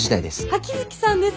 秋月さんです。